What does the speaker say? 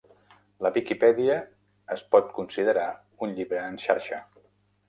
La viquipèdia es pot considerar un llibre en xarxa.